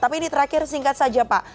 tapi ini terakhir singkat saja pak